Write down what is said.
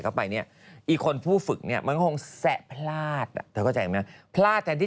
ได้ด้วยหรอ